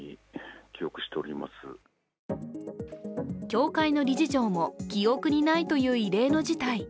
協会の理事長も記憶にないという異例の事態。